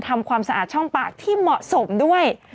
ทำความสะอาดช่องปากที่เหมาะสมด้วย